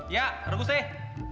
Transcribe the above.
ya regu seh